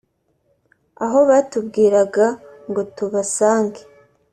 aho batubwiraga ngo tubasange